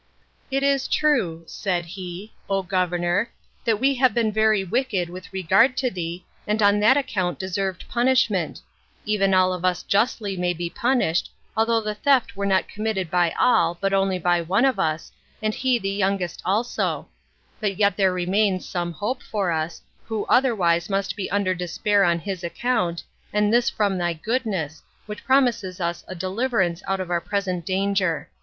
"It is true," 9 said he, "O governor, that we have been very wicked with regard to thee, and on that account deserved punishment; even all of us may justly be punished, although the theft were not committed by all, but only by one of us, and he the youngest also; but yet there remains some hope for us, who otherwise must be under despair on his account, and this from thy goodness, which promises us a deliverance out of our present danger.